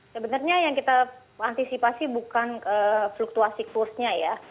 sebenarnya yang kita antisipasi bukan fluktuasi kursnya ya